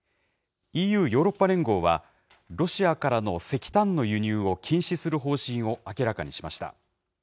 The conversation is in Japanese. ＥＵ・ヨーロッパ連合は、ロシアからの石炭の輸入を禁止する方針を明らかにしました。